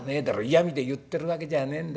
嫌みで言ってるわけじゃねえんだ。